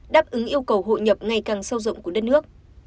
đáp ứng yêu cầu hội nhập ngày càng sâu rộng của đất nước